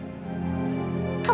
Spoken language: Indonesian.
kau masih kamu